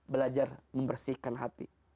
belajar membersihkan hati